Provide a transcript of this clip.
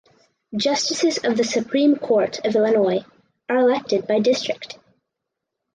Justices of the Supreme Court of Illinois are elected by district.